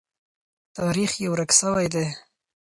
تاریخ یې ورک سوی دی.